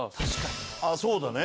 ああそうだね。